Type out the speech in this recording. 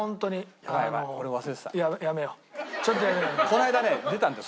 この間ね出たんだよ